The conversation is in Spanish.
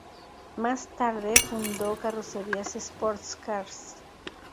Más tarde fundó Carrozzeria Sports Cars.